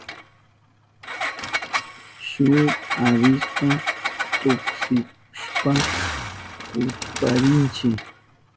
Shuk avispa tuksihushpan kuchparinchi.